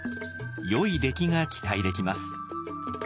よい出来が期待できます。